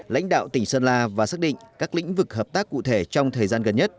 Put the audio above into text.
lãnh đạo tỉnh sơn la và xác định các lĩnh vực hợp tác cụ thể trong thời gian gần nhất